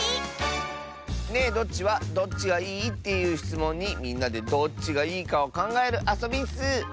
「ねえどっち？」は「どっちがいい？」っていうしつもんにみんなでどっちがいいかをかんがえるあそびッス。